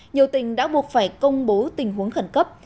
nhiều tỉnh đã buộc phải công bố tình huống khẩn cấp